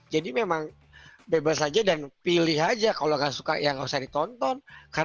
jadi memang bebas aja dan pilih aja kalau gak suka ya gak usah ditonton